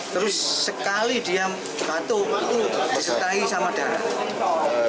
terus sekali dia batuk disertai sama darah